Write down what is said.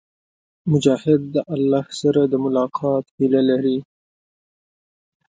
مجاهد د الله سره د ملاقات هيله لري.